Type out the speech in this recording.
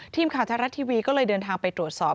ทีมข่าวไทยรัฐทีวีก็เลยเดินทางไปตรวจสอบ